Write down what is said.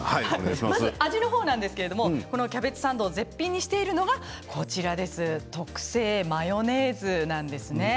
味はキャベツサンドを絶品にしているのが特製マヨネーズなんですね。